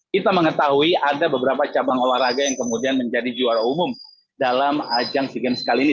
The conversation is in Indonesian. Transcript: kita mengetahui ada beberapa cabang olahraga yang kemudian menjadi juara umum dalam ajang sea games kali ini